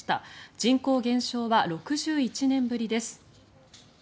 人口減少は６１年ぶりです。